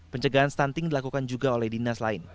pencegahan stunting dilakukan juga oleh dinas lain